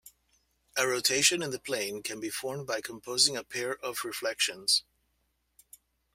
A rotation in the plane can be formed by composing a pair of reflections.